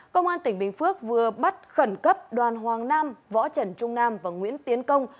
công an tỉnh bình phước vừa bắt khẩn cấp đoàn hoàng nam võ trần trung nam và nguyễn tiến công